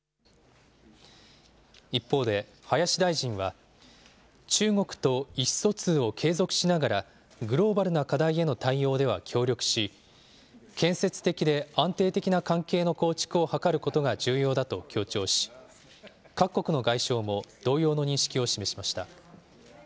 一方で、林大臣は、中国と意思疎通を継続しながら、グローバルな課題への対応では協力し、建設的で安定的な関係の構築を図ることが重要だと強調し、各国の外相も同様の認識を示しました。